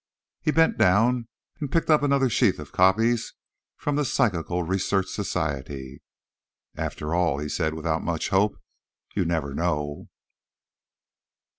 He bent down and picked up another sheaf of copies from the Psychical Research Society. "After all," he said, without much hope, "you never know."